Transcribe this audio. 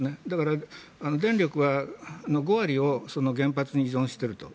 だから電力は５割を原発に依存している。